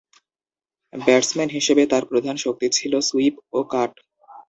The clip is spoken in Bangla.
ব্যাটসম্যান হিসেবে তাঁর প্রধান শক্তি ছিল সুইপ ও কাট।